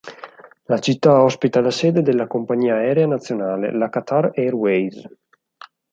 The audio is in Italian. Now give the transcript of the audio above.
La città ospita la sede della compagnia aerea nazionale: la Qatar Airways.